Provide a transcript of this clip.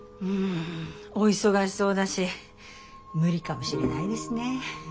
お忙しそうだし無理かもしれないですね。